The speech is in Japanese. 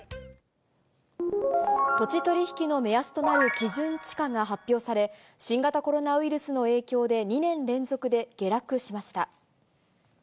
土地取り引きの目安となる基準地価が発表され、新型コロナウイルスの影響で、２年連続で下落しました。